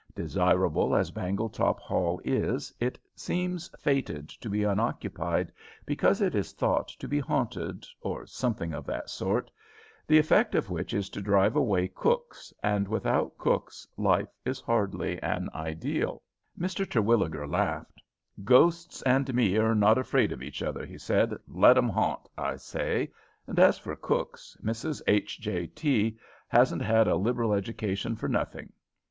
Desirable as Bangletop Hall is, it seems fated to be unoccupied because it is thought to be haunted, or something of that sort, the effect of which is to drive away cooks, and without cooks life is hardly an ideal." Mr. Terwilliger laughed. "Ghosts and me are not afraid of each other," he said. "'Let 'em haunt,' I say; and as for cooks, Mrs. H.J.T. hasn't had a liberal education for nothing.